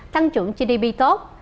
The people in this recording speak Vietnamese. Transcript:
tăng trưởng gdp tốt